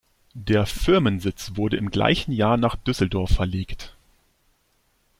Der Firmensitz wurde im gleichen Jahr nach Düsseldorf verlegt.